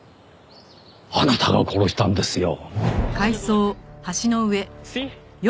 あなたが殺したんですよ。